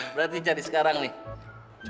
berarti cari sekarang nih